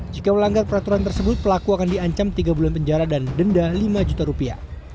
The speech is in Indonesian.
jika melanggar peraturan tersebut pelaku akan diancam tiga bulan penjara dan denda lima juta rupiah